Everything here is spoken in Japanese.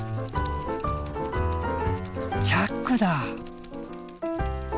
チャックだ。